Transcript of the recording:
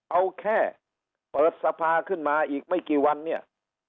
เอาแค่เปิดสภาขึ้นมาอีกไม่กี่วันเนี่ย